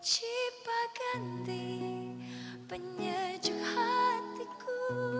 cipaganti penyejuk hatiku